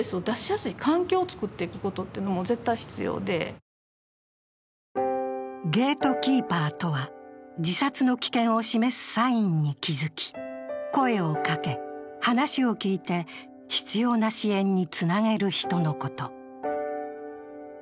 代表理事の森本さんはゲートキーパーとは、自殺の危険を示すサインに気付き声をかけ、話を聞いて、必要な支援につなげる人のこと。